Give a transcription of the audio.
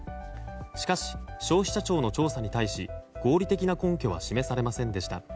しかし、消費者庁の調査に対し合理的な根拠は示されませんでした。